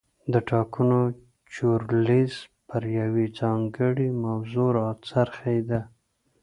د ټاکنو چورلیز پر یوې ځانګړې موضوع را څرخېده.